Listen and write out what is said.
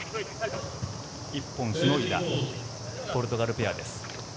１本しのいだポルトガルペアです。